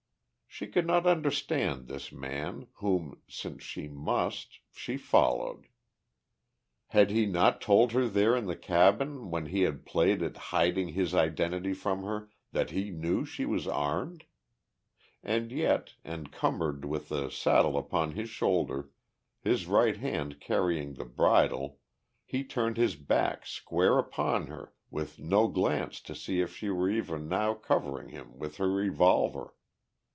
She could not understand this man, whom, since she must, she followed. Had he not told her there in the cabin when he had played at hiding his identity from her, that he knew she was armed? And yet, encumbered with the saddle upon his shoulder, his right hand carrying the bridle, he turned his back square upon her with no glance to see if she were even now covering him with her revolver.